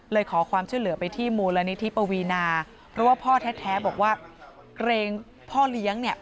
ขอความช่วยเหลือไปที่มูลนิธิปวีนาเพราะว่าพ่อแท้บอกว่าเกรงพ่อเลี้ยงเนี่ย